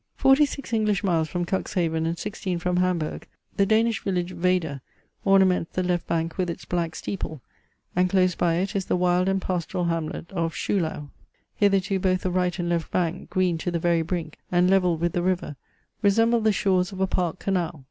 Forty six English miles from Cuxhaven, and sixteen from Hamburg, the Danish village Veder ornaments the left bank with its black steeple, and close by it is the wild and pastoral hamlet of Schulau. Hitherto both the right and left bank, green to the very brink, and level with the river, resembled the shores of a park canal.